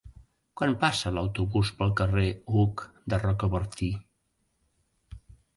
Quan passa l'autobús pel carrer Hug de Rocabertí?